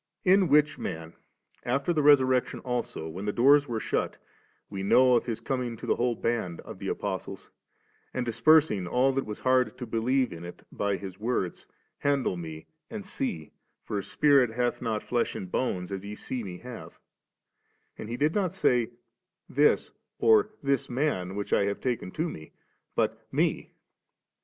In which Man, after the resurrection also^ when the doors were shut, we know of His coming to the whole band^ of the Apostles, and dispersing all that was hard to believe in it by His words, * Handle Me and see, for a spirit hath not fledi and bones, as ye tee Me have V And He did not say, ' This,' or *this Man which I have taken to Me,' but * Me.'